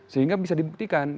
sehingga bisa dibuktikan